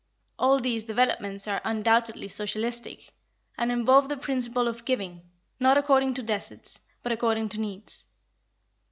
All these developments are undoubtedly socialistic, and involve the principle of giving, not according to deserts, but according to needs.